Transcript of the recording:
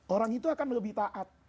orang itu akan lebih taat